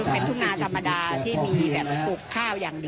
เป็นทุ่งนาธรรมดาที่มีแบบปลูกข้าวอย่างดี